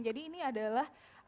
jadi ini adalah